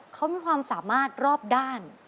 เขามีความสามารถรอบด้าน